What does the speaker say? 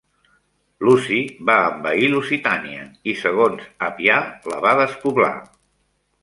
Luci va envair Lusitània i, segons Apià, la va despoblar.